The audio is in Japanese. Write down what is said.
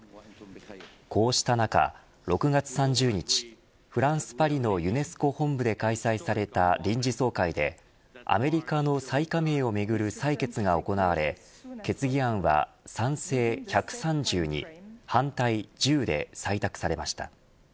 こうした中、６月３０日フランス、パリのユネスコ本部で開催された臨時総会でアメリカの再加盟をめぐる採決が行われ決議案は賛成１３２反対１０で採択されました。